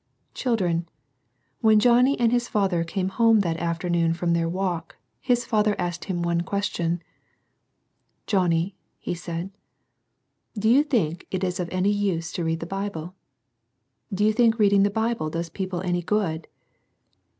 Children, when Johnny and his father came home that afternoon firom their walk, his father asked him one question. "Johnny," he said, "do you think it is of any use to read the Bible? Do you think reading the Bible does people any good